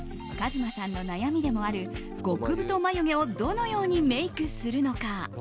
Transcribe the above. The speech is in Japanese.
ＫＡＺＭＡさんの悩みでもある極太眉毛をどのようにメイクするのか。